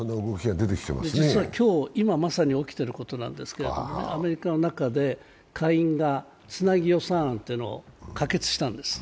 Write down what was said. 実は今日、まさに起きていることなんですけれどもね、アメリカの中で下院がつなぎ予算というのを可決したんです。